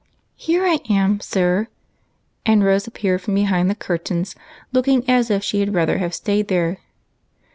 " Here I am, sir," and Rose appeared from behind the curtains, looking as if she had rather have staid there.